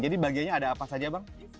bagiannya ada apa saja bang